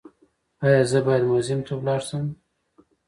ایا زه باید موزیم ته لاړ شم؟